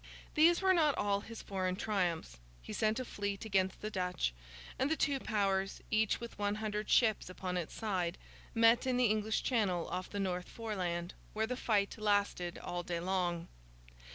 These were not all his foreign triumphs. He sent a fleet to sea against the Dutch; and the two powers, each with one hundred ships upon its side, met in the English Channel off the North Foreland, where the fight lasted all day long.